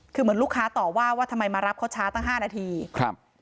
คือเหมือนลูกค้าต่อว่าว่าทำไมมารับเขาช้าตั้งห้านาทีครับ